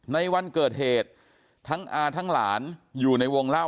ในวันเกิดเหตุทั้งอาทั้งหลานอยู่ในวงเล่า